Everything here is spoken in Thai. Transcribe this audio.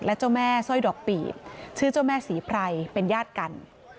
และเจ้าแม่สร้อยดอกปีบชื่อเจ้าแม่ศรีไพรเป็นญาติกัน